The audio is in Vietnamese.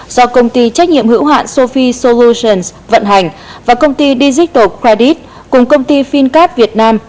do công ty trách nhiệm hữu hạn sophie solutions vận hành và công ty digital credit cùng công ty fincap việt nam